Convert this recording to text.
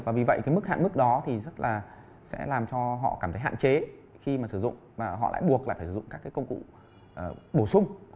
và vì vậy mức hạn mức đó sẽ làm cho họ cảm thấy hạn chế khi sử dụng và họ lại buộc phải sử dụng các công cụ bổ sung